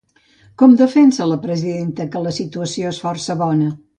Com defensa la presidenta que la situació és força bona?